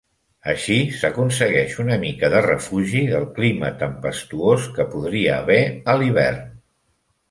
Així s'aconsegueix una mica de refugi del clima tempestuós que podria haver a l'hivern.